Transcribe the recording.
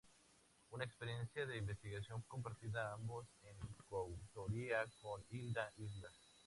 Una experiencia de investigación compartida, ambos en coautoría con Hilda Islas".